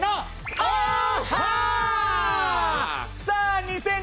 さあ